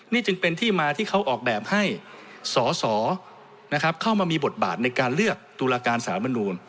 นี่จึงเป็นที่มาที่เขาออกแบบให้สอสอเข้ามามีบทบาทในการเลือกตุลาการสารมนูล